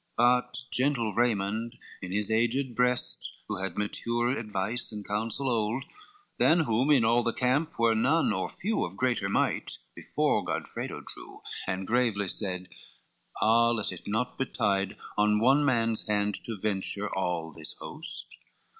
But gentle Raymond in his aged breast, Who had mature advice, and counsel old, Than whom in all the camp were none or few Of greater might, before Godfredo drew, LXII And gravely said, "Ah, let it not betide, On one man's hand to venture all this host!